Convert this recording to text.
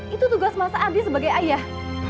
itu tugas masa adi sebagai ayah